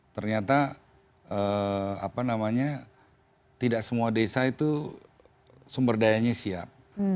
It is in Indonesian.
ternyata tidak semua desa itu sumber dayanya siap